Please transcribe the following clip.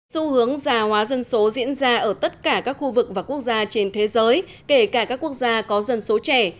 xu hướng già hóa dân số diễn ra ở tất cả các khu vực và quốc gia trên thế giới kể cả các quốc gia có dân số trẻ